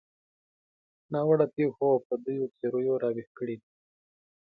ناوړه پېښو او پردیو تیریو راویښ کړي دي.